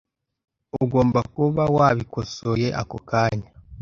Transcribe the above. Ugomba kuba wabikosoye ako kanya .